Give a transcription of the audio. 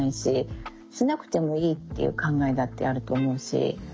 しなくてもいいっていう考えだってあると思うし。